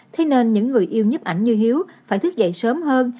thế nên những người yêu nhếp ảnh như hiếu phải thức dậy sớm hơn